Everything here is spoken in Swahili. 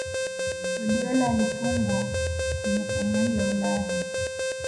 Guardiola alifungwa kwenye fainali ya Ulaya